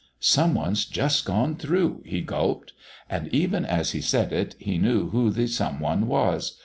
"Some one's just gone through," he gulped. And even as he said it he knew who the some one was.